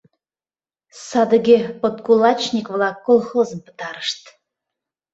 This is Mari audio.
Садыге подкулачник-влак колхозым пытарышт.